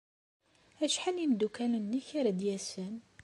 Acḥal n yimeddukal-nnek ara d-yasen?